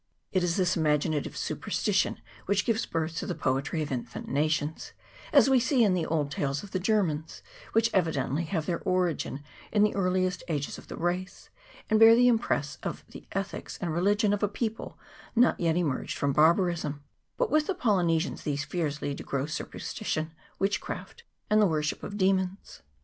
It is this imagina tive superstition which gives birth to the poetry of infant nations, as we see in the old tales of the Ger mans, which evidently have their origin in the ear liest ages of the race, and bear the impress of the ethics and religion of a people not yet emerged from barbarism ; but with the Polynesians these fears lead to gross superstition, witchcraft, and the wor ship of demons.